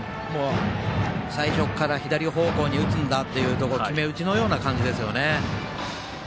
最初から左方向に打つんだという決め打ちのような感じですね。